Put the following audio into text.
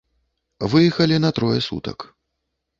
Выехалі на трое сутак.